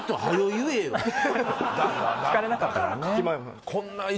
言えよ聞かれなかったからね